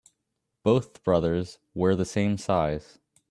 Both brothers wear the same size.